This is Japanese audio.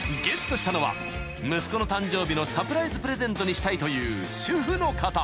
［ゲットしたのは息子の誕生日のサプライズプレゼントにしたいという主婦の方］